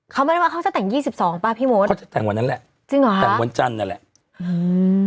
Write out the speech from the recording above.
เขาไม่ได้ว่าเขาจะแต่งยี่สิบสองป่ะพี่มดเขาจะแต่งวันนั้นแหละจริงเหรอแต่งวันจันทร์นั่นแหละอืม